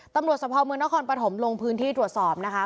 ตำรวจสะเพาะเมืองของพนักภาคปฐมลงพื้นที่ตรวจสอบนะคะ